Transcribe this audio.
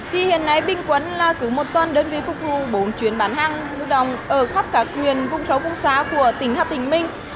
thì hiện nay bình quân là cứ một tuần đơn vị phục vụ bốn chuyến bán hàng lưu động ở khắp cả quyền vùng sâu vùng xá của tỉnh hà tĩnh minh